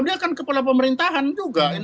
dia kan kepala pemerintahan juga